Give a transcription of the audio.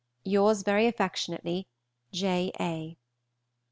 Yours very affectionately, J. A.